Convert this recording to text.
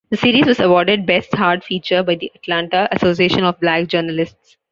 The series was awarded Best Hard Feature by the Atlanta Association of Black Journalists.